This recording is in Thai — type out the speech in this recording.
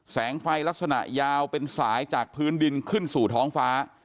แสงไฟลักษณะยาวเป็นสายจากพื้นดินขึ้นสู่ท้องฟ้า